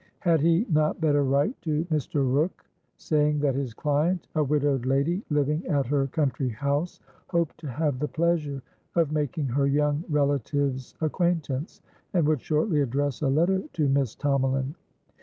Had he not better write to Mr. Rooke, saying that his client, a widowed lady living at her country house, hoped to have the pleasure of making her young relative's acquaintance, and would shortly address a letter to Miss Tomalin?